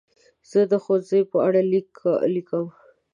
زه د ښوونځي په اړه لیک لیکم.